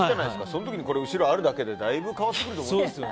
その時に、これが後ろにあるだけでだいぶ変わってくると思うよ。